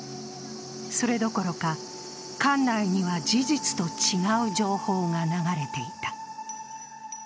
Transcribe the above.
それどころか、艦内には事実と違う情報が流れていた。